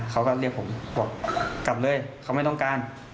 เขาก็เรียกผมบอกกลับเลยเขาไม่ต้องการ